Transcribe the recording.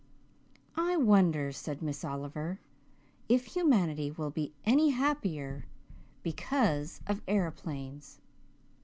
"I wonder," said Miss Oliver, "if humanity will be any happier because of aeroplanes.